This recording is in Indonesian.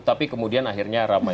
tapi kemudian akhirnya ramai